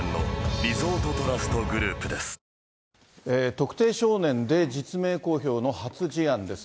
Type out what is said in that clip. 特定少年で、実名公表の初事案です。